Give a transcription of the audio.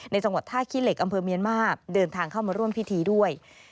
จังหวัดท่าขี้เหล็กอำเภอเมียนมาร์เดินทางเข้ามาร่วมพิธีด้วย